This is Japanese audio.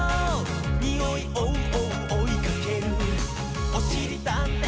「におい追う追う追いかける」「おしりたんてい